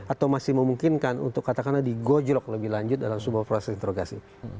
atau masih memungkinkan untuk katakanlah digojlok lebih lanjut dalam sebuah proses interogasi